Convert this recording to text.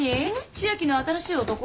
千明の新しい男？